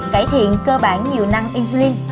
cải thiện cơ bản nhiều năng insulin